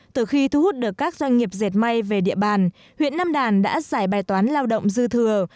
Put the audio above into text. từ khi thu hút được các doanh nghiệp dệt may về địa bàn huyện nam đàn đã giải bài toán lao động dư thừa